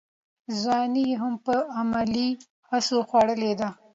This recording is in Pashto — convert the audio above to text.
ځواني یې هم علمي هڅو خوړلې ده.